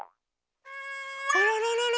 あららららら